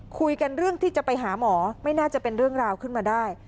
คุยกันเรื่องที่จะไปหาหมอไม่น่าจะเป็นเรื่องราวขึ้นมาได้